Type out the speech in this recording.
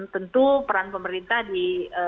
tentu peran pemerintah di